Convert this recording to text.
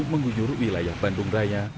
mengunyur wilayah bandung raya